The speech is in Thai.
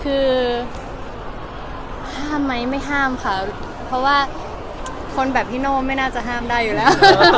คือห้ามไหมไม่ห้ามค่ะเพราะว่าคนแบบพี่โน่ไม่น่าจะห้ามได้อยู่แล้ว